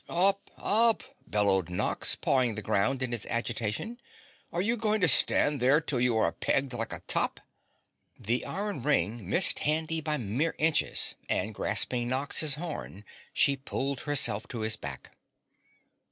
"Up. UP!" bellowed Nox, pawing the ground in his agitation. "Are you going to stand there till you are pegged like a top?" The iron ring missed Handy by mere inches and grasping Nox's horn she pulled herself to his back.